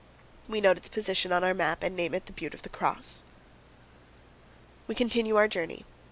We note its position on our map and name it "The Butte of the Cross." We continue our journey.